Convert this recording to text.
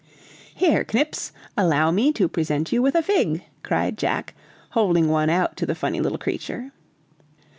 "Here, Knips, allow me to present you with a fig!" cried Jack, holding one out to the funny little creature.